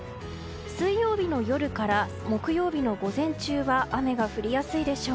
水曜日の夜から木曜日の午前中は雨が降りやすいでしょう。